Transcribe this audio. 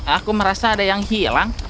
aku merasa ada yang hilang